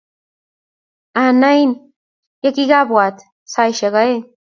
Anain ya kakubata saisiek oeng'